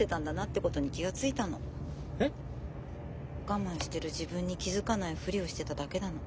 我慢してる自分に気付かないふりをしてただけなの。